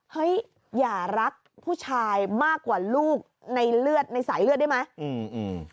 เฮ้ยอย่ารักผู้ชายมากกว่าลูกในเลือดในสายเลือดได้ไหมอืม